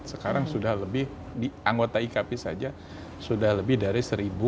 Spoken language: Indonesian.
sekarang sudah lebih di anggota ikp saja sudah lebih dari satu tiga ratus